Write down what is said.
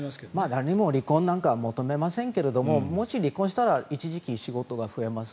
誰も離婚なんか求めませんけどももし離婚したら一時期、仕事が増えます。